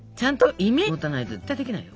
イメージもたないと絶対できないよ。